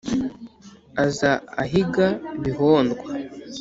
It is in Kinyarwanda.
aza ahiga bihondwa.